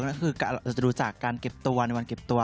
ก็คือเราจะดูจากการเก็บตัวในวันเก็บตัว